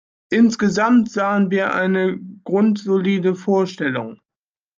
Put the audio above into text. Insgesamt sahen wir eine grundsolide Vorstellung.